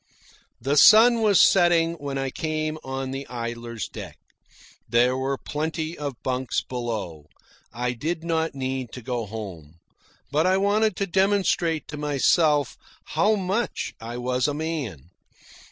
The sun was setting when I came on the Idler's deck. There were plenty of bunks below. I did not need to go home. But I wanted to demonstrate to myself how much I was a man.